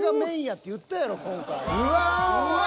うわ。